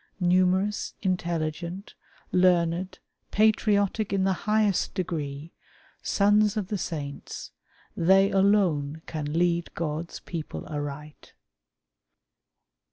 Numerous, intelligent, learned, patriotic in the highest degree, sons of the saints, they alone can lead God's people aright.